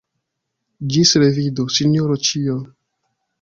Ĝis revido, Sinjoro Ĉiol!